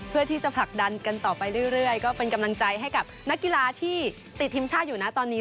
เพื่อที่จะผลักดันกันต่อไปเรื่อยก็เป็นกำลังใจให้กับนักกีฬาที่ติดทีมชาติอยู่นะตอนนี้